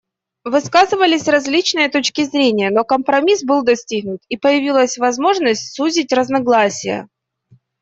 Высказывались различные точки зрения, но компромисс был достигнут, и появилась возможность сузить разногласия.